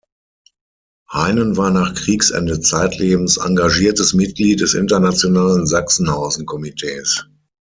Heinen war nach Kriegsende zeitlebens engagiertes Mitglied des Internationalen Sachsenhausen-Komitees.